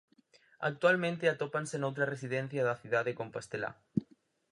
Actualmente atópanse noutra residencia da cidade compostelá.